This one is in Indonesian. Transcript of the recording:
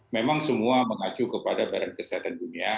memang semua mengacu kepada badan kesehatan dunia